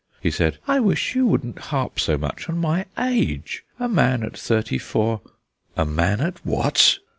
He said. "I wish you wouldn't harp so much on my age. A man at thirty four " "A man at what?"